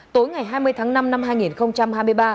tối ngày hai mươi tháng năm năm hai nghìn hai mươi ba